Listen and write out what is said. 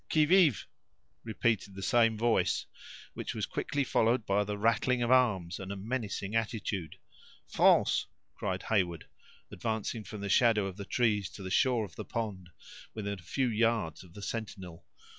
"Qui vive?" repeated the same voice, which was quickly followed by the rattling of arms, and a menacing attitude. "France!" cried Heyward, advancing from the shadow of the trees to the shore of the pond, within a few yards of the sentinel.